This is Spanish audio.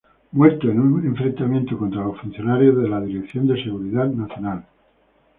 Muerto en un enfrentamiento contra los funcionarios de la Dirección de Seguridad Nacional.